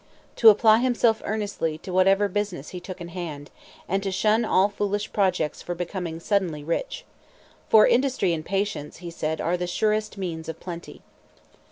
To apply himself earnestly to whatever business he took in hand; and to shun all foolish projects for becoming suddenly rich. "For industry and patience," he said, "are the surest means of plenty."